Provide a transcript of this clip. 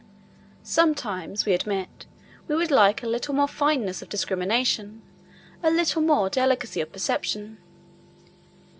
Sometimes, we admit, we would like a little more fineness of discrimination, a little more delicacy of perception.